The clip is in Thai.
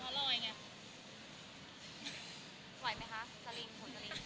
ไหวไหมสลิงผลสลิง